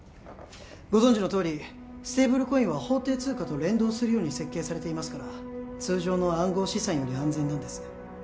ご存じのとおりステーブルコインは法定通貨と連動するように設計されていますから通常の暗号資産より安全なんです